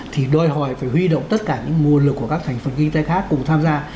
thì đòi hỏi phải huy động tất cả những nguồn lực của các thành phần kinh tế khác cùng tham gia